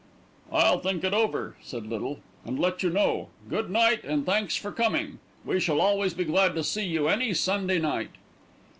"I'll think it over," said Little, "and let you know. Good night, and thanks for coming. We shall always be glad to see you any Sunday night."